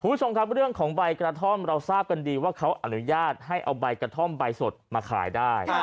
คุณผู้ชมครับเรื่องของใบกระท่อมเราทราบกันดีว่าเขาอนุญาตให้เอาใบกระท่อมใบสดมาขายได้